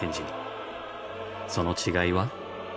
その違いは。